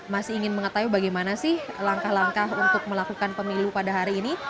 masih ingin mengetahui bagaimana sih langkah langkah untuk melakukan pemilu pada hari ini